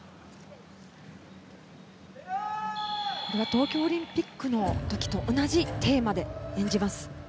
東京オリンピックの時と同じテーマで演じます。